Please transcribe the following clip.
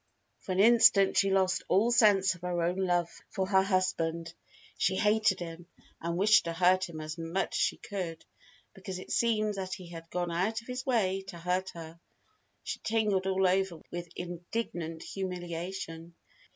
For an instant she lost all sense of her own love for her husband. She hated him and wished to hurt him as much as she could, because it seemed that he had gone out of his way to hurt her. She tingled all over with indignant humiliation.